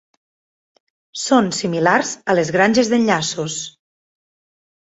Són similars a les granges d'enllaços.